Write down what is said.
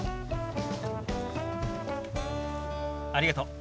ありがとう。